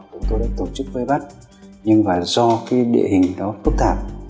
chúng tôi đã tổ chức vây bắt nhưng mà do cái địa hình đó phức tạp